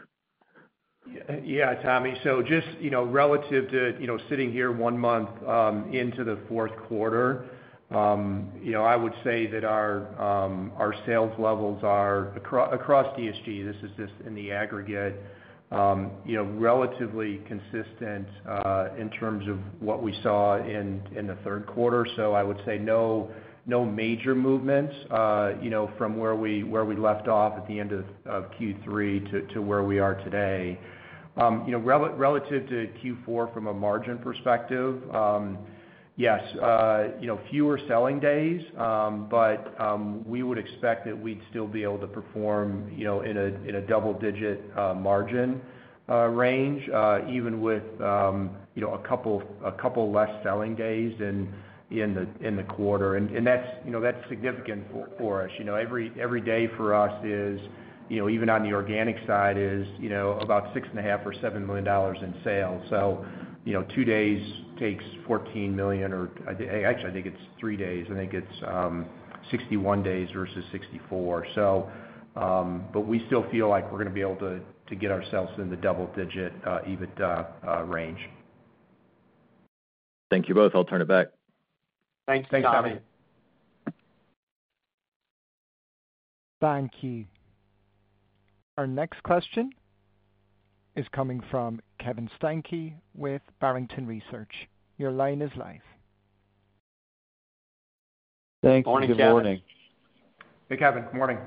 Yeah, Tommy. So just relative to sitting here one month into the fourth quarter, I would say that our sales levels are across DSG, this is just in the aggregate, relatively consistent in terms of what we saw in the third quarter. So I would say no major movements from where we left off at the end of Q3 to where we are today. Relative to Q4 from a margin perspective, yes, fewer selling days, but we would expect that we'd still be able to perform in a double-digit margin range, even with a couple less selling days in the quarter. And that's significant for us. Every day for us, even on the organic side, is about $6.5 million or $7 million in sales. So two days takes 14 million, or actually, I think it's three days. I think it's 61 days versus 64. But we still feel like we're going to be able to get ourselves in the double-digit EBITDA range. Thank you both. I'll turn it back. Thanks, Tommy. Thanks, Tommy. Thank you. Our next question is coming from Kevin Steinke with Barrington Research. Your line is live. Thanks, Good Morning, Good morning, Kevin. Hey, Kevin. Good morning.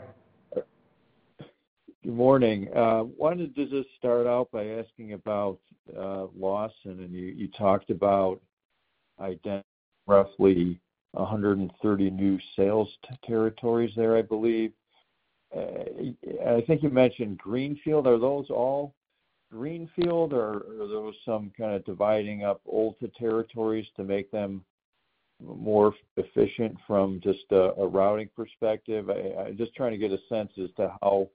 Good morning. I wanted to just start out by asking about Lawson, and then you talked about roughly 130 new sales territories there, I believe. I think you mentioned greenfield. Are those all greenfield, or are those some kind of dividing up old territories to make them more efficient from just a routing perspective? I'm just trying to get a sense as to how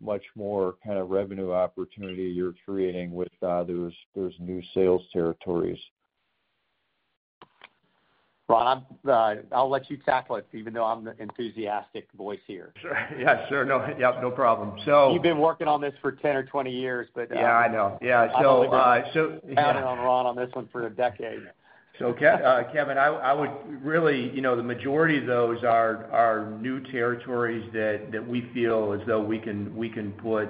much more kind of revenue opportunity you're creating with those new sales territories. Ron, I'll let you tackle it, even though I'm the enthusiastic voice here. Yeah, sure. Yeah, no problem. So you've been working on this for 10 or 20 years, but... Yeah, I know. Yeah. So... I've been on Ron on this one for a decade. So Kevin, I would really the majority of those are new territories that we feel as though we can put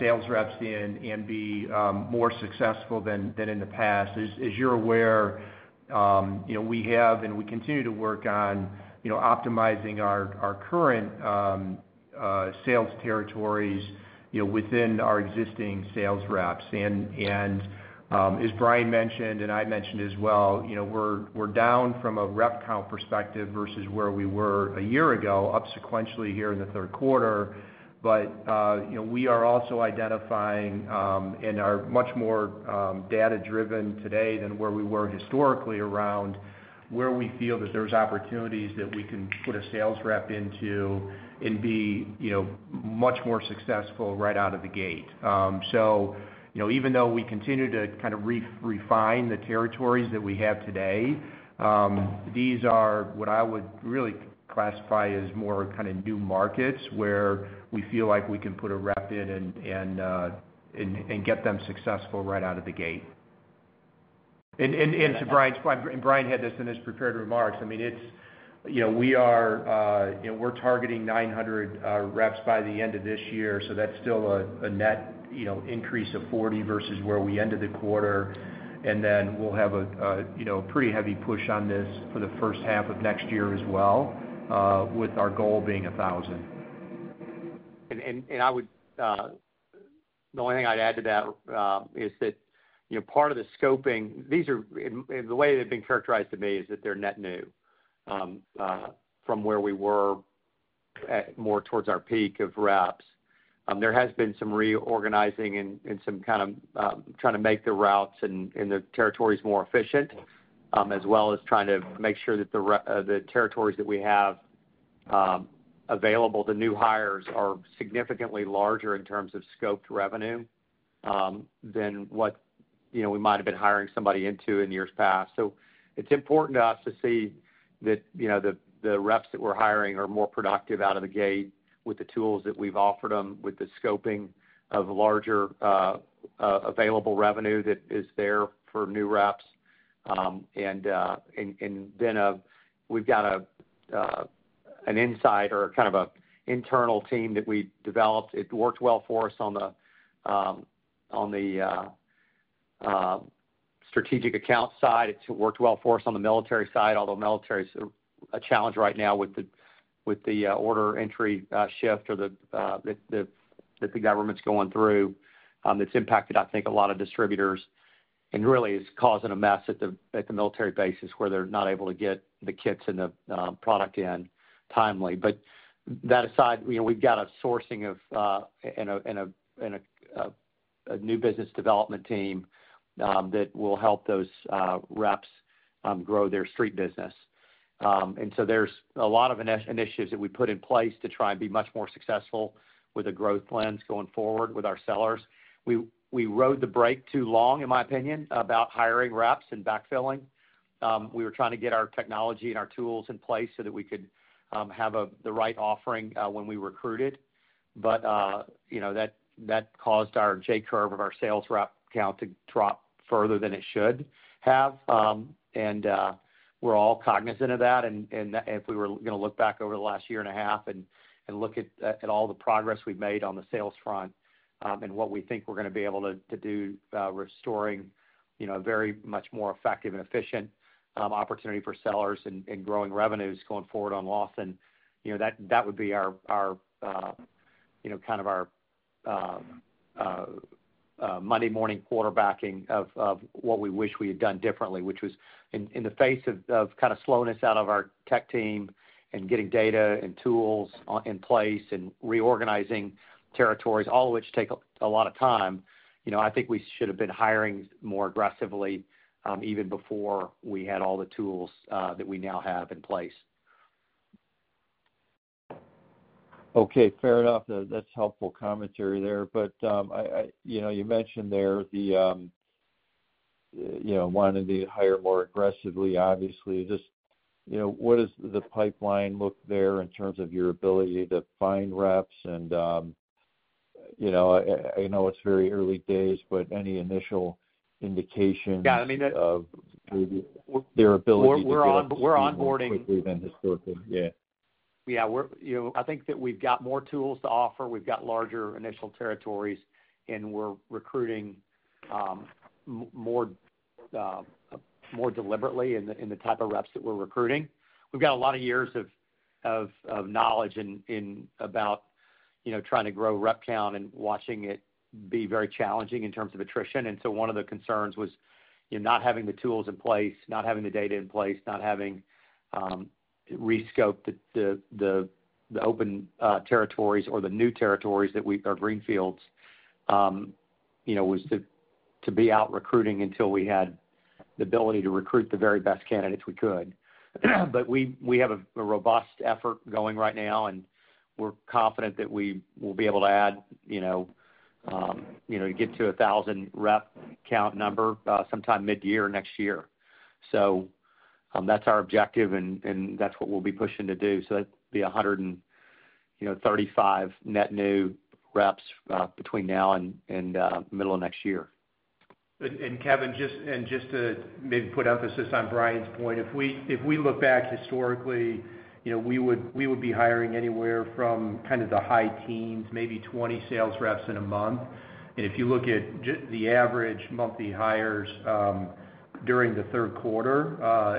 sales reps in and be more successful than in the past. As you're aware, we have and we continue to work on optimizing our current sales territories within our existing sales reps. And as Bryan mentioned, and I mentioned as well, we're down from a rep count perspective versus where we were a year ago, up sequentially here in the third quarter. But we are also identifying and are much more data-driven today than where we were historically around where we feel that there's opportunities that we can put a sales rep into and be much more successful right out of the gate. So even though we continue to kind of refine the territories that we have today, these are what I would really classify as more kind of new markets where we feel like we can put a rep in and get them successful right out of the gate. And to Bryan's point, and Bryan had this in his prepared remarks, I mean, we are targeting 900 reps by the end of this year. So that's still a net increase of 40 versus where we ended the quarter. And then we'll have a pretty heavy push on this for the first half of next year as well, with our goal being 1,000. And the only thing I'd add to that is that part of the scoping, the way they've been characterized to me is that they're net new from where we were more towards our peak of reps. There has been some reorganizing and some kind of trying to make the routes and the territories more efficient, as well as trying to make sure that the territories that we have available, the new hires are significantly larger in terms of scoped revenue than what we might have been hiring somebody into in years past. So it's important to us to see that the reps that we're hiring are more productive out of the gate with the tools that we've offered them, with the scoping of larger available revenue that is there for new reps. And then we've got an insight or kind of an internal team that we developed. It worked well for us on the strategic account side. It worked well for us on the military side, although military is a challenge right now with the order entry shift that the government's going through. It's impacted, I think, a lot of distributors and really is causing a mess at the military bases where they're not able to get the kits and the product in timely. But that aside, we've got a sourcing and a new business development team that will help those reps grow their street business. And so there's a lot of initiatives that we put in place to try and be much more successful with a growth lens going forward with our sellers. We rode the brake too long, in my opinion, about hiring reps and backfilling. We were trying to get our technology and our tools in place so that we could have the right offering when we recruited. But that caused our J-curve of our sales rep count to drop further than it should have. And we're all cognizant of that. And if we were going to look back over the last year and a half and look at all the progress we've made on the sales front and what we think we're going to be able to do restoring a very much more effective and efficient opportunity for sellers and growing revenues going forward on Lawson, then that would be our kind of Monday morning quarterbacking of what we wish we had done differently, which was in the face of kind of slowness out of our tech team and getting data and tools in place and reorganizing territories, all of which take a lot of time. I think we should have been hiring more aggressively even before we had all the tools that we now have in place. Okay. Fair enough. That's helpful commentary there. But you mentioned there one of the hire more aggressively, obviously. Just what does the pipeline look like there in terms of your ability to find reps? And I know it's very early days, but any initial indications of their ability to be more aggressively than historically? Yeah. Yeah. I think that we've got more tools to offer. We've got larger initial territories, and we're recruiting more deliberately in the type of reps that we're recruiting. We've got a lot of years of knowledge about trying to grow rep count and watching it be very challenging in terms of attrition. And so one of the concerns was not having the tools in place, not having the data in place, not having rescoped the open territories or the new territories that we are greenfields was to be out recruiting until we had the ability to recruit the very best candidates we could. We have a robust effort going right now, and we're confident that we will be able to add to get to 1,000 rep count number sometime mid-year next year. That's our objective, and that's what we'll be pushing to do. That'd be 135 net new reps between now and middle of next year. Kevin, just to maybe put emphasis on Bryan's point, if we look back historically, we would be hiring anywhere from kind of the high teens, maybe 20 sales reps in a month. If you look at the average monthly hires during the third quarter,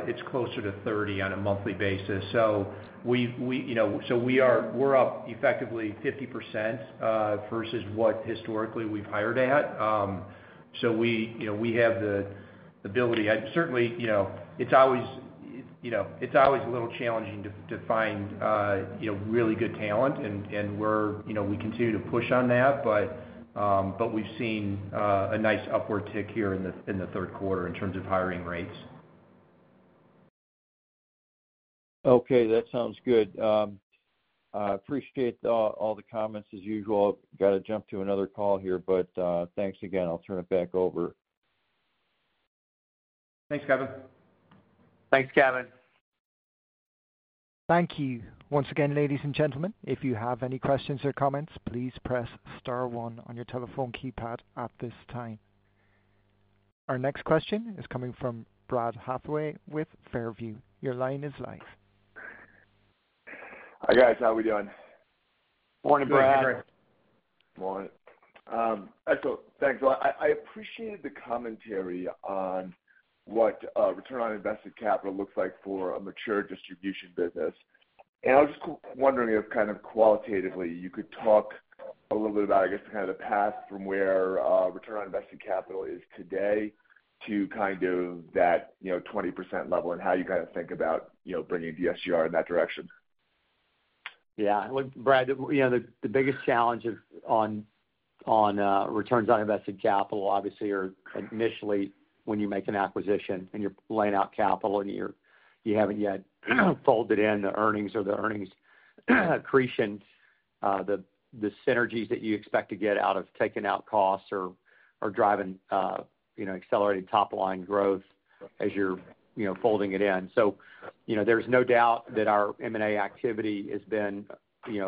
it's closer to 30 on a monthly basis. We're up effectively 50% versus what historically we've hired at. We have the ability. Certainly, it's always a little challenging to find really good talent, and we continue to push on that. But we've seen a nice upward tick here in the third quarter in terms of hiring rates. Okay. That sounds good. I appreciate all the comments as usual. Got to jump to another call here, but thanks again. I'll turn it back over. Thanks, Kevin. Thanks, Kevin. Thank you. Once again, ladies and gentlemen, if you have any questions or comments, please press star one on your telephone keypad at this time. Our next question is coming from Brad Hathaway with Far View. Your line is live. Hi, guys. How are we doing? Morning, Brad. Morning. Excellent. Thanks. I appreciated the commentary on what return on invested capital looks like for a mature distribution business. And I was just wondering if kind of qualitatively you could talk a little bit about, I guess, kind of the path from where return on invested capital is today to kind of that 20% level and how you kind of think about bringing DSG in that direction. Yeah. Look, Brad, the biggest challenge on returns on invested capital, obviously, are initially when you make an acquisition and you're laying out capital and you haven't yet folded in the earnings or the earnings accretion, the synergies that you expect to get out of taking out costs or driving accelerated top-line growth as you're folding it in. So there's no doubt that our M&A activity has been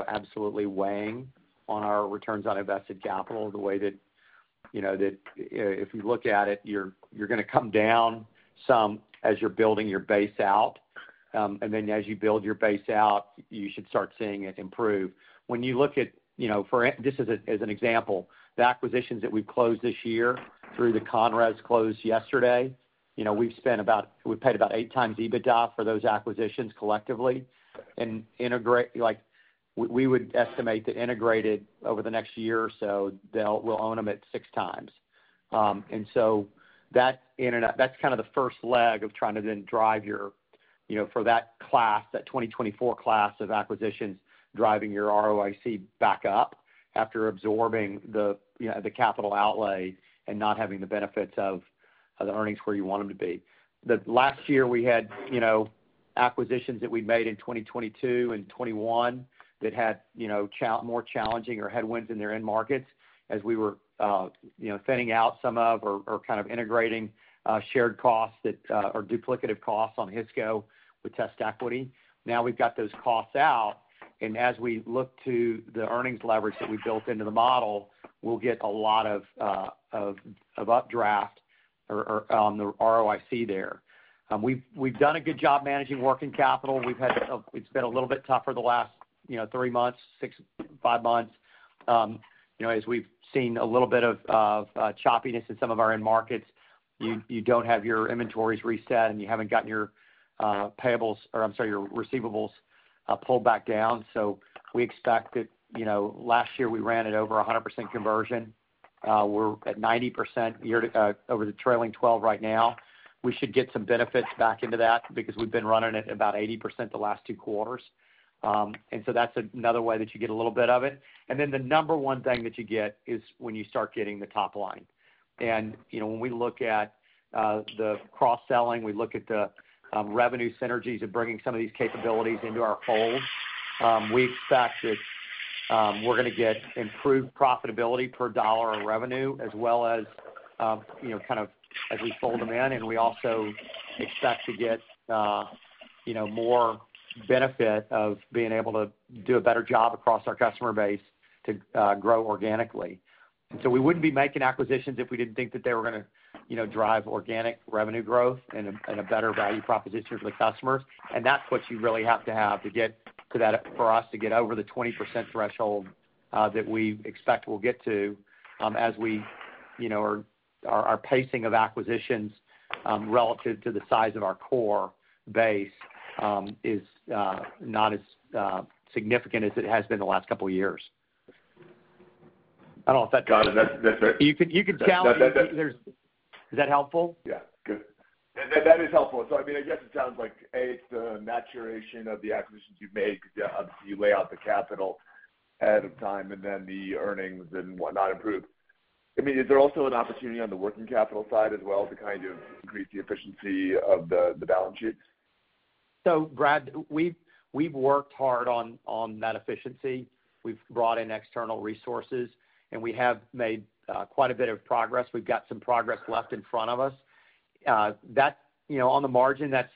absolutely weighing on our returns on invested capital the way that if you look at it, you're going to come down some as you're building your base out. And then as you build your base out, you should start seeing it improve. When you look at this as an example, the acquisitions that we've closed this year through the ConRes closed yesterday, we've paid about 8x EBITDA for those acquisitions collectively. And we would estimate that integrated over the next year or so, we'll own them at six times. And so that's kind of the first leg of trying to then drive your ROIC for that class, that 2024 class of acquisitions, driving your ROIC back up after absorbing the capital outlay and not having the benefits of the earnings where you want them to be. Last year, we had acquisitions that we made in 2022 and 2021 that had more challenging or headwinds in their end markets as we were thinning out some of or kind of integrating shared costs that are duplicative costs on Hisco with TestEquity. Now we've got those costs out, and as we look to the earnings leverage that we built into the model, we'll get a lot of updraft on the ROIC there. We've done a good job managing working capital. It's been a little bit tougher the last three months, six, five months. As we've seen a little bit of choppiness in some of our end markets, you don't have your inventories reset, and you haven't gotten your payables or, I'm sorry, your receivables pulled back down. So we expect that last year we ran it over 100% conversion. We're at 90% over the trailing 12 right now. We should get some benefits back into that because we've been running it at about 80% the last two quarters. And so that's another way that you get a little bit of it. And then the number one thing that you get is when you start getting the top line. And when we look at the cross-selling, we look at the revenue synergies of bringing some of these capabilities into our fold. We expect that we're going to get improved profitability per dollar of revenue, as well as kind of as we fold them in. And we also expect to get more benefit of being able to do a better job across our customer base to grow organically. And so we wouldn't be making acquisitions if we didn't think that they were going to drive organic revenue growth and a better value proposition for the customers. And that's what you really have to have to get to that for us to get over the 20% threshold that we expect we'll get to as we are pacing of acquisitions relative to the size of our core base is not as significant as it has been the last couple of years. I don't know if that's. Got it. That's it. You can tell me there's. Is that helpful? Yeah. Good. That is helpful. So I mean, I guess it sounds like, A, it's the maturation of the acquisitions you make because you lay out the capital ahead of time and then the earnings and whatnot improve. I mean, is there also an opportunity on the working capital side as well to kind of increase the efficiency of the balance sheet? So, Brad, we've worked hard on that efficiency. We've brought in external resources, and we have made quite a bit of progress. We've got some progress left in front of us. On the margin, that's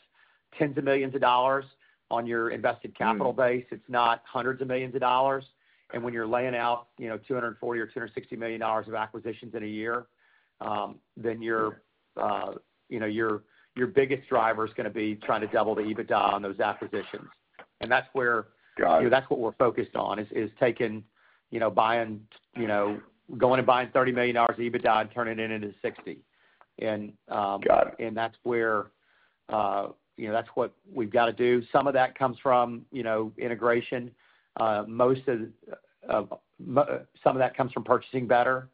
tens of millions of dollars on your invested capital base. It's not hundreds of millions of dollars. And when you're laying out $240 million or $260 million of acquisitions in a year, then your biggest driver is going to be trying to double the EBITDA on those acquisitions. And that's where. Got it. That's what we're focused on is taking and buying $30 million of EBITDA and turning it into $60 million. And that's where. That's what we've got to do. Some of that comes from integration. Some of that comes from purchasing better.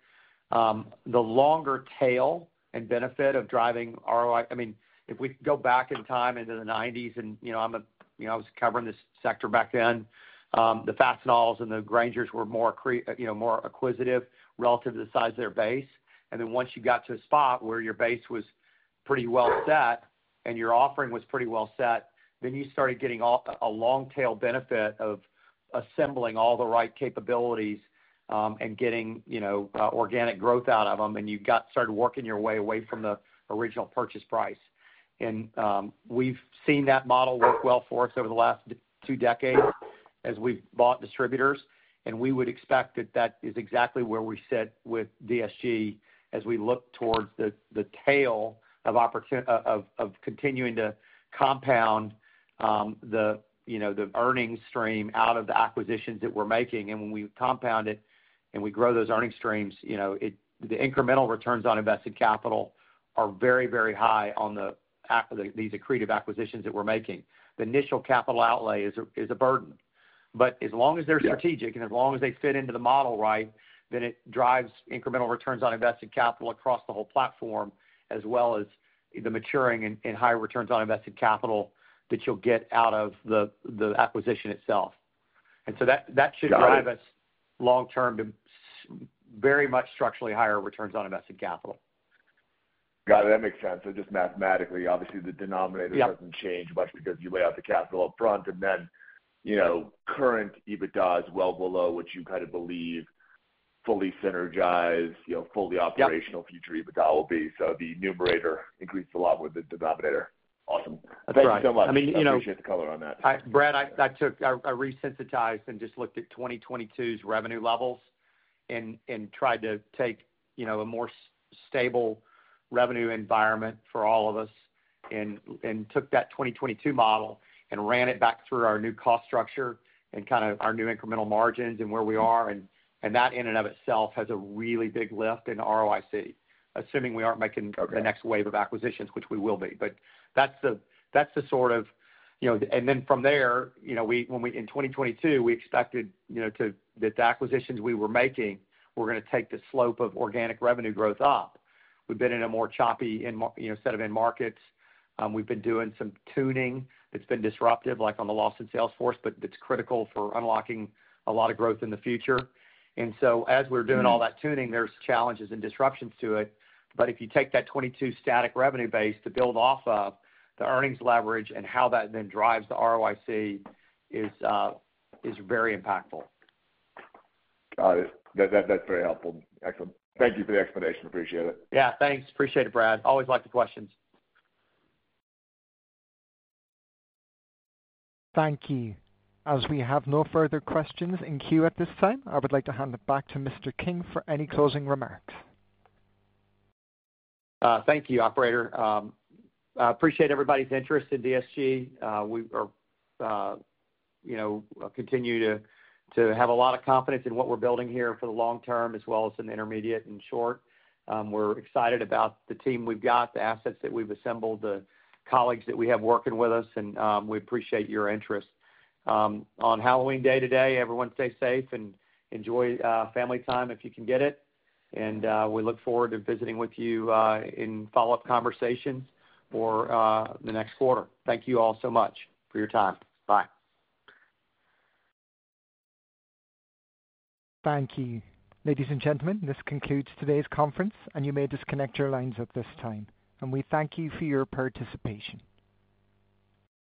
The longer tail and benefit of driving ROI, I mean, if we go back in time into the '90s and I was covering this sector back then, the Fastenal and the Grainger were more acquisitive relative to the size of their base. And then once you got to a spot where your base was pretty well set and your offering was pretty well set, then you started getting a long-tail benefit of assembling all the right capabilities and getting organic growth out of them, and you started working your way away from the original purchase price. And we've seen that model work well for us over the last two decades as we've bought distributors. And we would expect that that is exactly where we sit with DSG as we look towards the tail of continuing to compound the earnings stream out of the acquisitions that we're making. When we compound it and we grow those earnings streams, the incremental returns on invested capital are very, very high on these accretive acquisitions that we're making. The initial capital outlay is a burden. As long as they're strategic and as long as they fit into the model right, then it drives incremental returns on invested capital across the whole platform as well as the maturing and higher returns on invested capital that you'll get out of the acquisition itself. So that should drive us long-term to very much structurally higher returns on invested capital. Got it. That makes sense. Just mathematically, obviously, the denominator doesn't change much because you lay out the capital upfront and then current EBITDA is well below what you kind of believe fully synergized, fully operational future EBITDA will be. The numerator increased a lot with the denominator. Awesome. Thank you so much. I appreciate the color on that. Brad, I resynthesized and just looked at 2022's revenue levels and tried to take a more stable revenue environment for all of us and took that 2022 model and ran it back through our new cost structure and kind of our new incremental margins and where we are. And that in and of itself has a really big lift in ROIC, assuming we aren't making the next wave of acquisitions, which we will be. But that's the sort of, and then from there, in 2022, we expected that the acquisitions we were making were going to take the slope of organic revenue growth up. We've been in a more choppy set of end markets. We've been doing some tuning that's been disruptive, like on the Lawson sales force, but that's critical for unlocking a lot of growth in the future. And so as we're doing all that tuning, there's challenges and disruptions to it. But if you take that 2022 static revenue base to build off of, the earnings leverage and how that then drives the ROIC is very impactful. Got it. That's very helpful. Excellent. Thank you for the explanation. Appreciate it. Yeah. Thanks. Appreciate it, Brad. Always like the questions. Thank you. As we have no further questions in queue at this time, I would like to hand it back to Mr. King for any closing remarks. Thank you, Operator. I appreciate everybody's interest in DSG. We continue to have a lot of confidence in what we're building here for the long term, as well as in the intermediate and short. We're excited about the team we've got, the assets that we've assembled, the colleagues that we have working with us, and we appreciate your interest. On Halloween Day today, everyone stay safe and enjoy family time if you can get it, and we look forward to visiting with you in follow-up conversations for the next quarter. Thank you all so much for your time. Bye. Thank you. Ladies and gentlemen, this concludes today's conference, and you may disconnect your lines at this time, and we thank you for your participation.